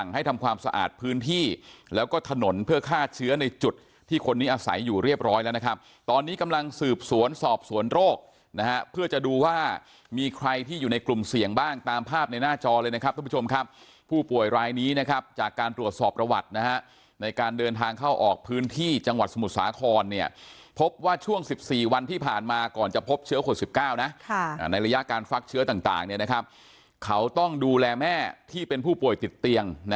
ในจุดที่คนนี้อาศัยอยู่เรียบร้อยแล้วนะครับตอนนี้กำลังสืบสวนสอบสวนโรคนะฮะเพื่อจะดูว่ามีใครที่อยู่ในกลุ่มเสี่ยงบ้างตามภาพในหน้าจอเลยนะครับทุกผู้ชมครับผู้ป่วยรายนี้นะครับจากการตรวจสอบระหวัดนะฮะในการเดินทางเข้าออกพื้นที่จังหวัดสมุทรสาครเนี่ยพบว่าช่วง๑๔วันที่ผ่านมาก่อนจะพบเชื้อ